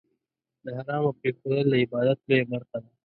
د حرامو پرېښودل، د عبادت لویه برخه ده.